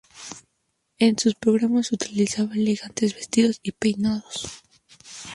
En sus programas utilizaba elegantes vestidos y peinados.